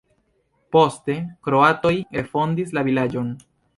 Poste kroatoj refondis la vilaĝon.